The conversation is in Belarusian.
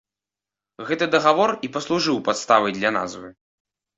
Гэты дагавор і паслужыў падставай для назвы.